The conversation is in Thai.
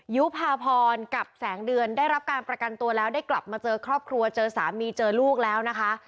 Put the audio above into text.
ยุภาพรกับแสงเดือนได้รับการประกันตัวแล้วได้กลับมาเจอครอบครัวเจอสามีเจอลูกแล้วนะคะ